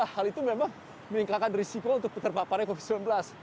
hal itu memang meningkatkan risiko untuk terpaparnya covid sembilan belas